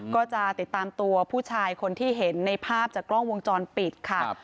ก็จะติดตามตัวผู้ชายคนที่เห็นในภาพจากกล้องวงจรปิดค่ะ